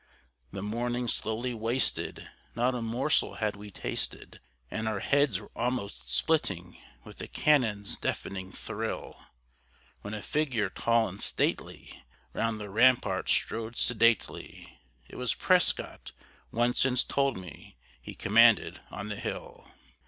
The morning slowly wasted, not a morsel had we tasted And our heads were almost splitting with the cannons' deafening thrill, When a figure tall and stately round the rampart strode sedately; It was PRESCOTT, one since told me; he commanded on the hill.